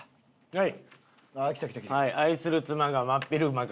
はい。